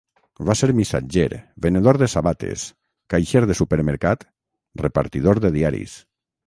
Va ser missatger, venedor de sabates, caixer de supermercat, repartidor de diaris.